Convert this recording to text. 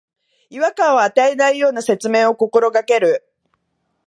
違和感を与えないような説明を心がける